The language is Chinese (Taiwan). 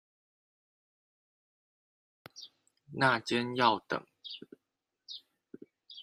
那間要等